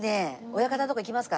親方のとこ行きますか。